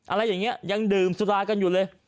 อะไรอย่างนี้ยังดื่มสุรากันอยู่เลย